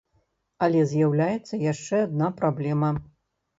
Але з'яўляецца яшчэ адна праблема.